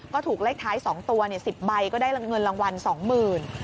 ก็ถูกเลขท้ายสองตัวเนี่ยสิบใบก็ได้เงินรางวัลสองหมื่น